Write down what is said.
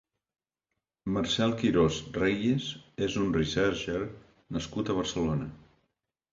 Marcel Quirós Reyes és un researcher nascut a Barcelona.